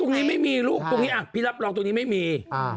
ตรงนี้ไม่มีลูกตรงนี้พี่รับรองตรงนี้ไม่มี